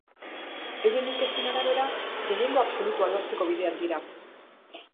Euren inkesten arabera, gehiengo absolutua lortzeko bidean dira.